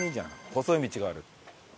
細い道がある。